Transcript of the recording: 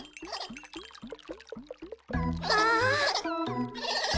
ああ。